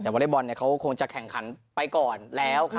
อาทิตย์บอลคงจะแข่งขันไปก่อนแล้วค่ะ